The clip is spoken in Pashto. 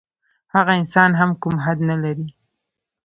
هغه انسان هم کوم حد نه لري.